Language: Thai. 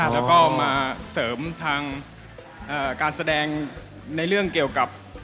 แล้วก็มาเสริมทางการแสดงในเรื่องเกี่ยวกับไทยและออกแมร์